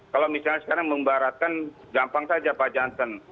kalau misalnya sekarang membaratkan gampang saja pak jansen